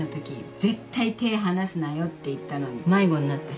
絶対手離すなよって言ったのに迷子になってさ。